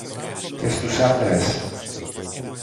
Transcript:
Και στους άντρες